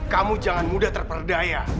kamu jangan mudah terpedaya